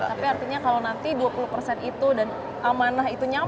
tapi artinya kalau nanti dua puluh itu dan amanah itu nyampe ke bapak